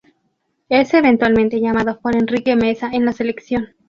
Es eventualmente llamado por Enrique Meza en la selección.